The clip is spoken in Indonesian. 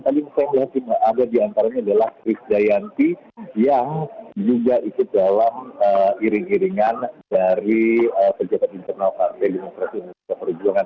tapi saya melihat yang ada di antaranya adalah chris dayanti yang juga ikut dalam iring iringan dari pejabat internal partai demokratis indonesia perjuangan